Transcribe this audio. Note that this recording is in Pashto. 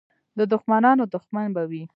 د دښمنانو دښمن به وي.